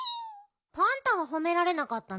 パンタはほめられなかったの？